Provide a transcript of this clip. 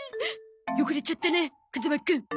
汚れちゃったね風間くん。